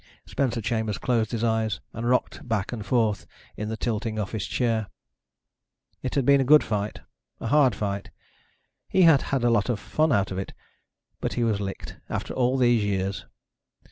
Spencer Chambers closed his eyes and rocked back and forth in the tilting office chair. It had been a good fight, a hard fight. He had had a lot of fun out of it. But he was licked, after all these years.